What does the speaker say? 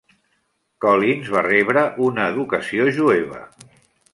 Collins va rebre una educació jueva.